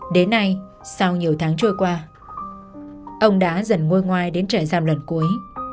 đến nay sau nhiều tháng trôi qua ông đã dần ngôi ngoai đến trẻ giam lần cuối